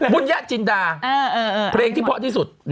ภูนิญาศจิณดาเพลงที่เหมาะที่สุด